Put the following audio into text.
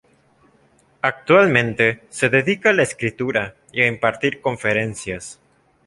Actualmente se dedica a la escritura y a impartir conferencias.